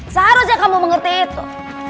seharusnya kamu mengerti itu